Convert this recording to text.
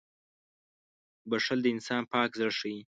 • بښل د انسان پاک زړه ښيي.